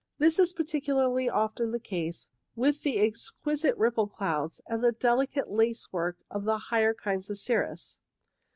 This is particularly often the case with the exquisite ripple clouds, and the delicate lace work of the higher kinds of cirrus.